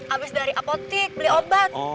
abis dari apotik beli obat